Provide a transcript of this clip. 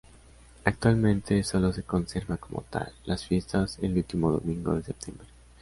Actualmente solo se conserva, como tal, la fiesta el último domingo de septiembre.